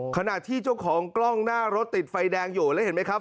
ขณะที่เจ้าของกล้องหน้ารถติดไฟแดงอยู่แล้วเห็นไหมครับ